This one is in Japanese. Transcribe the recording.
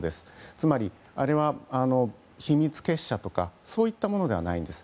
つまり、秘密結社とかそういったものではないんです。